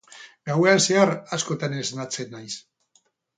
Gauean zehar askotan esnatzen naiz.